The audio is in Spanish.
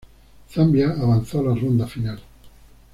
Zambia avanzó a la ronda final.